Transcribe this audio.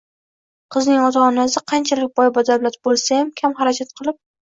Qizning ota-onasi qanchalik boy-badavlat bo‘lsayam, kam xarajat qilib